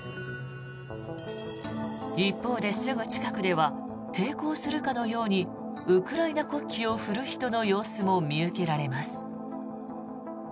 一方で、すぐ近くでは抵抗するかのようにウクライナ国旗を振る人の様子も見受けられます。